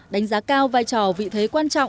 đánh giá cao vai trò vị thế quan trọng và sống